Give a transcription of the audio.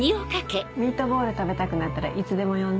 ミートボール食べたくなったらいつでも呼んで。